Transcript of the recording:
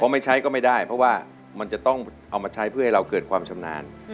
ไม่ใช้ก็ไม่ได้เพราะว่ามันจะต้องเอามาใช้เพื่อให้เราเกิดความชำนาญ